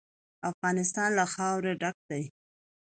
افغانستان له خاوره ډک دی.